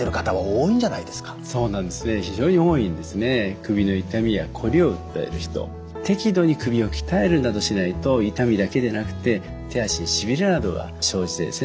首の痛みやこりを訴える人適度に首を鍛えるなどしないと痛みだけでなくて手足にしびれなどが生じてですね